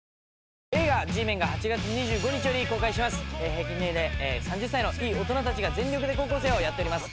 平均年齢３０歳のいい大人たちが全力で高校生をやっております。